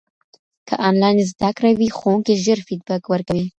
که انلاین زده کړه وي، ښوونکي ژر فیډبک ورکوي.